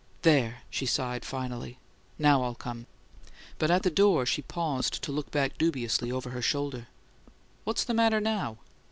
"There!" she sighed, finally. "Now I'll come." But at the door she paused to look back dubiously, over her shoulder. "What's the matter now?"